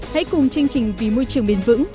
hãy cùng chương trình vì môi trường bền vững